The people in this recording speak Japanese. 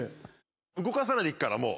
動かさないでいくからもう。